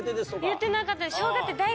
言ってなかったです。